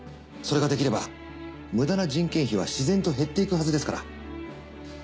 それができればむだな人件費はしぜんと減っていくはずですから。